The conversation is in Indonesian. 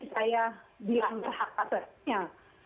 saya dilanggar hak asasinya